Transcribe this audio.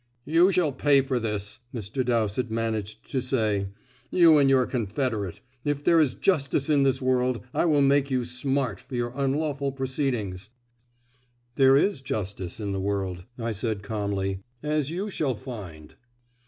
"You shall pay for this," Mr. Dowsett managed to say, "you and your confederate. If there is justice in this world, I will make you smart for your unlawful proceedings." "There is justice in the world," I said calmly, "as you shall find."